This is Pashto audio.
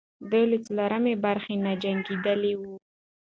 دوی له څلورمې برخې نه جنګېدلې وو.